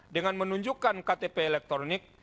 dengan menunjukkan ktp elektronik